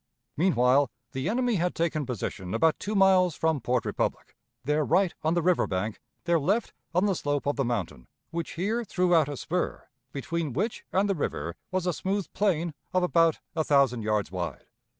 Meanwhile the enemy had taken position about two miles from Port Republic, their right on the river bank, their left on the slope of the mountain which here threw out a spur, between which and the river was a smooth plain of about a thousand yards wide.